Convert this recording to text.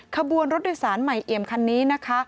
ขบวนรถโดยสารใหม่เอี่ยมคันนี้นะคะ